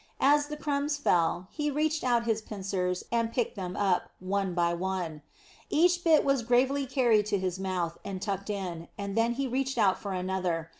As the crumbs fell, he reached out his pincers and picked them up, one by one. Each bit was gravely carried to his mouth, and tucked in, and then he reached out for another.